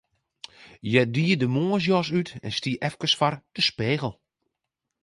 Hja die de moarnsjas út en stie efkes foar de spegel.